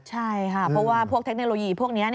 ใช่ค่ะเพราะว่าพวกเทคโนโลยีพวกนี้